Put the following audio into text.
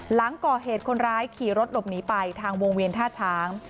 หลังก่อเหตุคนร้ายขี่รถหลบหนีไปทางวงเวียนท่าช้าง